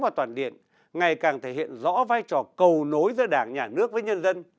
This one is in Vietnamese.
và toàn điện ngày càng thể hiện rõ vai trò cầu nối giữa đảng nhà nước với nhân dân